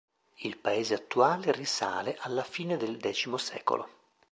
Il paese attuale risale alla fine del X secolo.